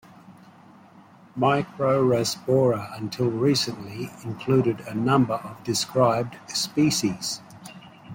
"Microrasbora", until recently, included a number of described species.